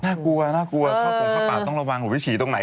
น่ากลัวเข้าปรุงเข้าปากต้องระวังหรือไปฉี่ตรงไหน